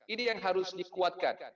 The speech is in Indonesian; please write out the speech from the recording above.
ini yang harus dikuatkan